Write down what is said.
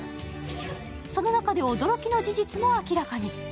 その中で、驚きの事実も明らかに。